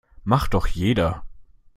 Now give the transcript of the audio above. Macht doch jeder.